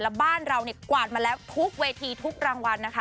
แล้วบ้านเราเนี่ยกวาดมาแล้วทุกเวทีทุกรางวัลนะคะ